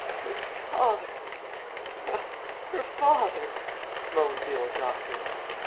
"Her father!... Her father!" moaned the old doctor.